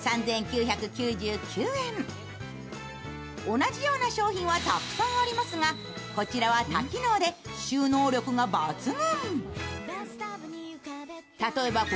同じような商品はたくさんありますが、こちらは多機能で収納力が抜群。